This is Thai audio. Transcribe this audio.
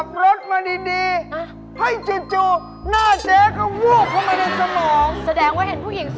เบรกทำไมเจ๊เจออุปัติเหตุหรอ